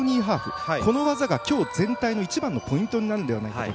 今日、この技が全体の一番のポイントになるのではないかと。